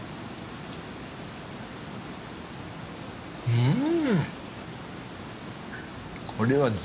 うん。